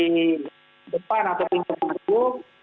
ke depan atau pintu pintu